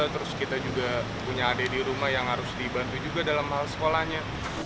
terus kita juga punya adik di rumah yang harus dibantu juga dalam hal sekolahnya